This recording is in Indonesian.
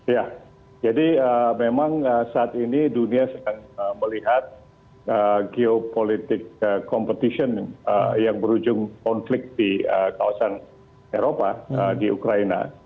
ya jadi memang saat ini dunia sedang melihat geopolitik competition yang berujung konflik di kawasan eropa di ukraina